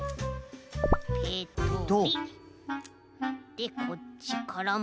でこっちからも。